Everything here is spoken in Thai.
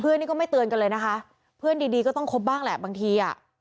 นี่ก็ไม่เตือนกันเลยนะคะเพื่อนดีดีก็ต้องคบบ้างแหละบางทีอ่ะ